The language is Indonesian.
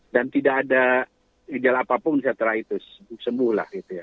dan tidak ada gejala apapun setelah itu sembuh lah gitu ya